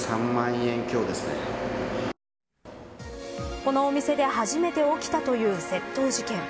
このお店で初めて起きたという窃盗事件。